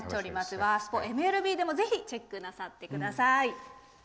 「ワースポ×ＭＬＢ」でもぜひ、チェックなさってください。